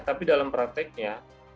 tapi dalam prakteknya